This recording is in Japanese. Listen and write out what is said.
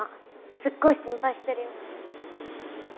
すっごい心配してるよ。